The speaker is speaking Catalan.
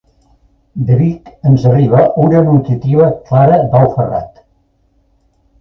De Vic ens arriba una nutritiva Clara Dou Ferrat.